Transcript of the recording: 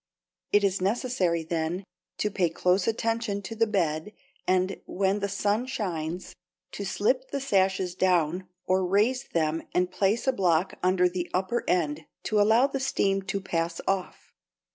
It is necessary, then, to pay close attention to the bed and, when the sun shines, to slip the sashes down or raise them and place a block under the upper end to allow the steam to pass off.